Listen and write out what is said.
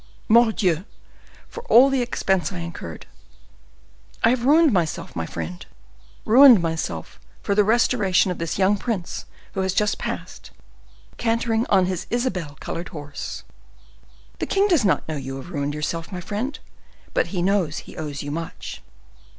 "Mordioux! for all the expense I incurred. I have ruined myself, my friend, ruined myself for the restoration of this young prince who has just passed, cantering on his isabelle colored horse." "The king does not know you have ruined yourself, my friend; but he knows he owes you much."